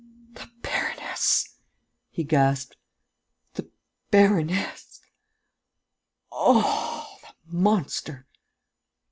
"The baroness!" he gasped. "The baroness!... Oh, the monster!..."